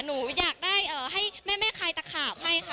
หนูอยากได้ให้แม่คลายตะขาบให้ค่ะ